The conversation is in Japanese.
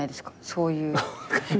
そういう。